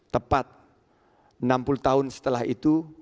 tepat enam puluh tahun setelah itu